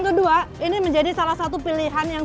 kedua ini menjadi salah satu pilihan yang